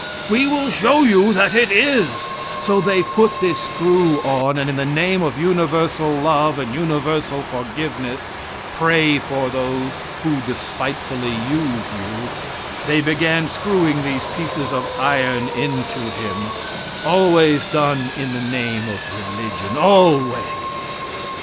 "We will show you that it is!" So they put this screw on; and in the name of universal love and universal forgiveness "pray for those who despitefully use you" they began screwing these pieces of iron into him always done in the name of religion always.